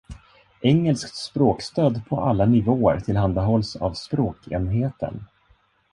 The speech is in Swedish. Engelskt språkstöd på alla nivåer tillhandahålls av Språkenheten.